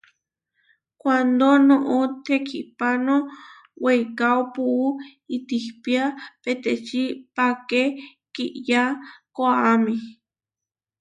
Kuándo noʼó tekihpáno weikáo, puú itihpía peteči páke kiyá koʼáme.